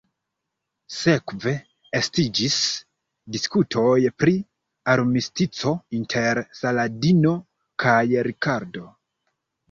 Sekve estiĝis diskutoj pri armistico inter Saladino kaj Rikardo.